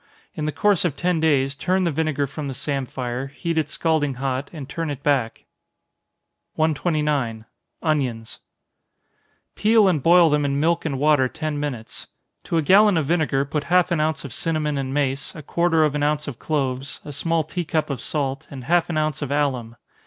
In the course of ten days, turn the vinegar from the samphire, heat it scalding hot, and turn it back. 129. Onions. Peel and boil them in milk and water ten minutes. To a gallon of vinegar put half an ounce of cinnamon and mace, a quarter of an ounce of cloves, a small tea cup of salt, and half an ounce of alum.